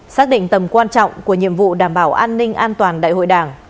xác định tầm quan trọng của nhiệm vụ đảm bảo an ninh an toàn đại hội đảng